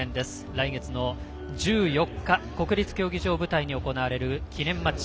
来月の１４日国立競技場を舞台に行われる記念マッチ。